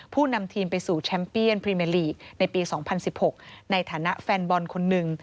นำทีมไปสู่แชมป์เปียนพรีเมอร์ลีกในปี๒๐๑๖ในฐานะแฟนบอลคนหนึ่ง